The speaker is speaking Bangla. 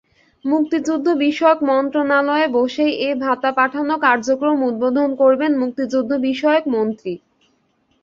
মুক্তিযুদ্ধবিষয়ক মন্ত্রণালয়ে বসেই এ ভাতা পাঠানো কার্যক্রম উদ্বোধন করবেন মুক্তিযুদ্ধবিষয়ক মন্ত্রী।